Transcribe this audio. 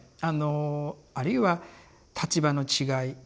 あのあるいは立場の違い